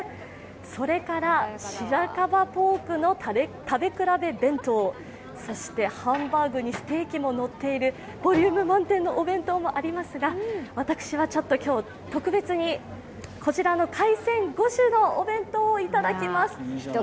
それから、白樺コープの食べ比べ弁当、そしてハンバーグにステーキものっているボリューム満点のお弁当もありますが、私はちょっと今日、特別にこちらの海鮮５種のお弁当をいただきます。